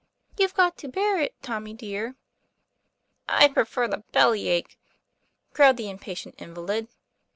"You've got to bear it, Tommy dear." "I prefer the belly ache," growled the impatient invalid.